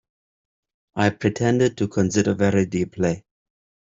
I pretended to consider very deeply.